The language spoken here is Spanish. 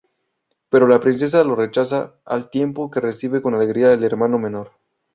Pero la princesa los rechaza, al tiempo que recibe con alegría al hermano menor.